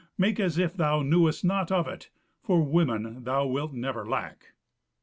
Make as if thou knewest nought of it, for women thou wilt never lack."